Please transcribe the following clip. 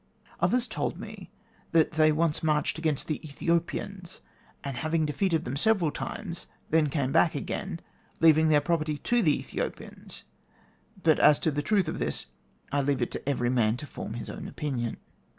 Others told me that they once marched against the Ethiopians, and having defeated them several times, then came back again, leaving their property to the Ethiopians. But as to the truth of this I leave it to every man to form his own opinion.